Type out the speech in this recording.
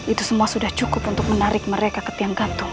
itu semua sudah cukup untuk menarik mereka ke tiang gantung